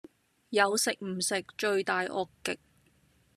有食唔食，罪大惡極